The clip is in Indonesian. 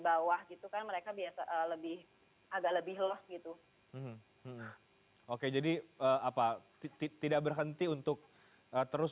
bawah gitu kan mereka biasa lebih agak lebih loh gitu oke jadi apa tidak berhenti untuk terus